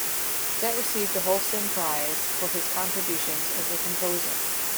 Dett received a Holstein prize for his contributions as a composer.